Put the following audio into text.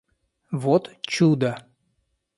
Вот чудо!